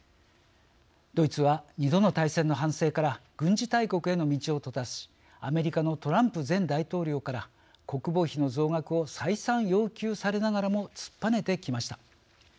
ドイツは２度の大戦の反省から軍事大国への道を閉ざしアメリカのトランプ前大統領から国防費の増額を再三要求されながらも突っぱねてきました。